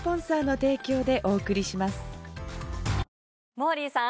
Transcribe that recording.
モーリーさん